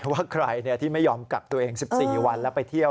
ว่าใครที่ไม่ยอมกักตัวเอง๑๔วันแล้วไปเที่ยว